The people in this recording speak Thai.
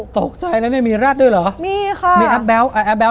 ตกใจแล้วเนี่ยมีแอปแบ๊ว